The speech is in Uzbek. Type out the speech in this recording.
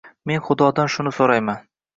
Men Xudodan shuni so‘rayman.